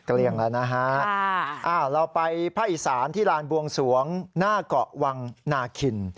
เกลี้ยงแล้วนะฮะเราไปภาคอีสานที่ลานบวงสวงหน้าเกาะวังนาคิน